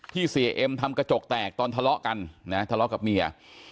เสียเอ็มทำกระจกแตกตอนทะเลาะกันนะทะเลาะกับเมีย